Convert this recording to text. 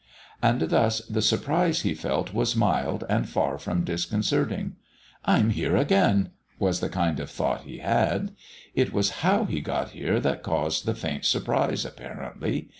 And thus the surprise he felt was mild and far from disconcerting. "I'm here again!" was the kind of thought he had. It was how he got here that caused the faint surprise, apparently.